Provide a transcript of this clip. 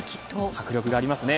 迫力がありますね。